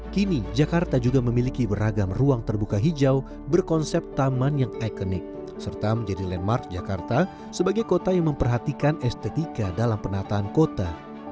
kini jakarta juga memiliki beragam ruang terbuka hijau berkonsep taman yang ikonik serta menjadi landmark jakarta sebagai kota yang memperhatikan estetika dalam penataan kota